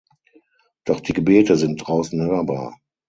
Doch die Gebete sind draußen hörbar.